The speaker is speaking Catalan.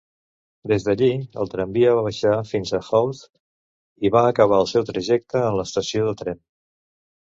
Des d'allí, el tramvia va baixar fins a Howth i va acabar el seu trajecte en l'estació de tren.